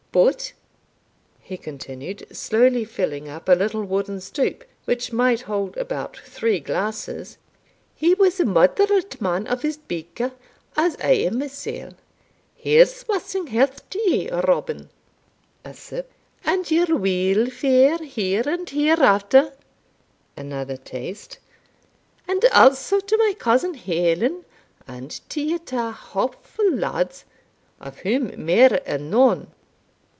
But," he continued, slowly filling up a little wooden stoup which might hold about three glasses, "he was a moderate man of his bicker, as I am mysell Here's wussing health to ye, Robin" (a sip), "and your weelfare here and hereafter" (another taste), "and also to my cousin Helen and to your twa hopefu' lads, of whom mair anon."